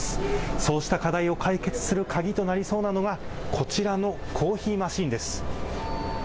そうした課題を解決する鍵となりそうなのがこちらのコーヒーマシンです。